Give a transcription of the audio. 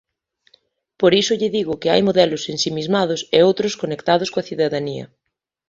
Por iso lle digo que hai modelos ensimismados e outros conectados coa cidadanía.